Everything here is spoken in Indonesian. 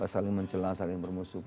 saling mencelah saling bermusuh